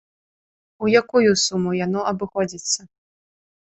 У якую суму яно абыходзіцца?